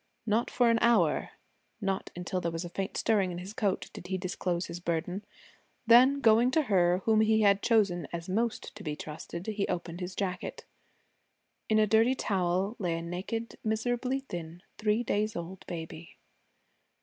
Not for an hour, not until there was a faint stirring in his coat, did he disclose his burden. Then, going to her whom he had chosen as most to be trusted, he opened his jacket. In a dirty towel lay a naked, miserably thin, three days old baby.